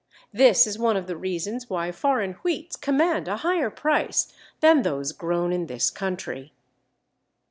This is one of the reasons why foreign wheats command a higher price than those grown in this country.